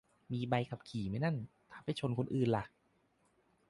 มีใบขับขี่ไหมนั่น ถ้าไปชนคนอื่นล่ะ